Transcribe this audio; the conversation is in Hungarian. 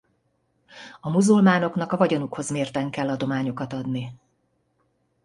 A muzulmánoknak a vagyonukhoz mérten kell adományokat adni.